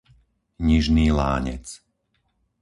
Nižný Lánec